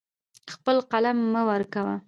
خپل قلم مه ورکوه.